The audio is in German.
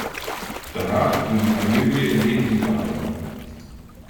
Danach ging die Familie in den Libanon.